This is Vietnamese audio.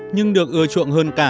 nhưng được ưa chuộng hơn cả